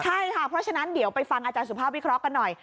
ใช่ค่ะเพราะฉะนั้นเดี๋ยวไปฟังอาจารย์สุภาพวิเคราะห์กันหน่อย